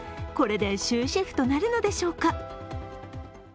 これで終止符となるのでしょうか。